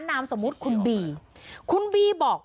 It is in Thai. นามสมมติคุณบี